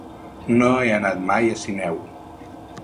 No he anat mai a Sineu.